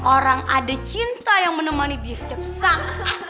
orang ada cinta yang menemani dia sekepsak